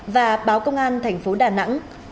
và báo công an tp đà nẵng